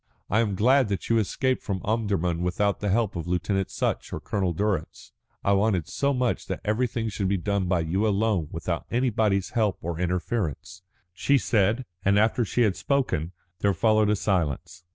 "I am glad that you escaped from Omdurman without the help of Lieutenant Sutch or Colonel Durrance. I wanted so much that everything should be done by you alone without anybody's help or interference," she said, and after she had spoken there followed a silence.